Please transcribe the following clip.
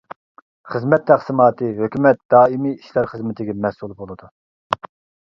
خىزمەت تەقسىماتى ھۆكۈمەت دائىمىي ئىشلار خىزمىتىگە مەسئۇل بولىدۇ.